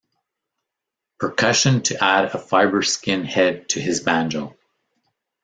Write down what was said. Percussion to add a FiberSkyn head to his banjo.